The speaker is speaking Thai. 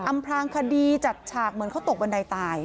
พลางคดีจัดฉากเหมือนเขาตกบันไดตาย